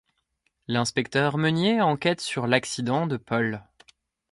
L'inspecteur Meunier enquête sur l'accident de Paul.